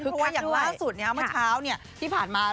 ฮึกคักด้วยเพราะอย่างล่าสุดเนี้ยเมื่อเช้าเนี้ยที่ผ่านมา